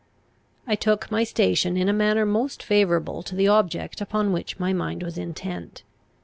I took my station in a manner most favourable to the object upon which my mind was intent.